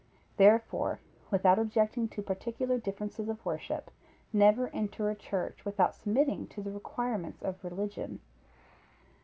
Therefore, without objecting to particular differences of worship, never enter a church without submitting to the requirements of religion.